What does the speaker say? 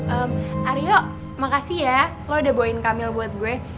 eh aryo makasih ya lo udah bawain kamil buat gue